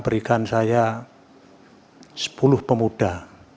berikan saya sepuluh pemuda